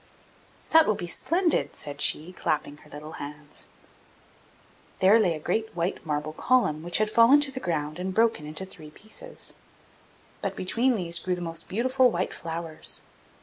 'That will be splendid!' said she, clapping her little hands. There lay a great white marble column which had fallen to the ground and broken into three pieces, but between these grew the most beautiful white flowers.